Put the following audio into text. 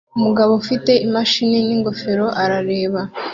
Umugabo ufite imashini n'ingofero arareba